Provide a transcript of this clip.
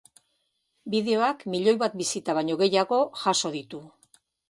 Bideoak milioi bat bisita baino gehiago jaso ditu.